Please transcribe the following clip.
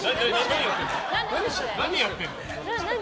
何やってんの？